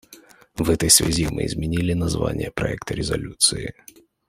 В этой связи мы изменили название проекта резолюции.